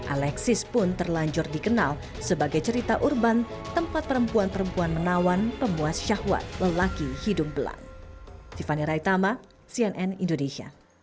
alexis pun terlanjur dikenal sebagai cerita urban tempat perempuan perempuan menawan pemuas syahwat lelaki hidung belang